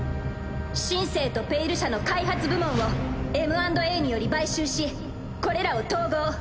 「シン・セー」と「ペイル社」の開発部門をＭ＆Ａにより買収しこれらを統合。